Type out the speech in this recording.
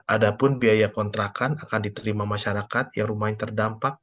ada pun biaya kontrakan akan diterima masyarakat yang rumah yang terdampak